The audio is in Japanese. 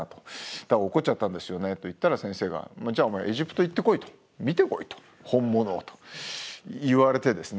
そしたら落っこっちゃったんですよね」と言ったら先生が「じゃあお前エジプト行ってこい」と「見てこい」と「本物を」と言われてですね。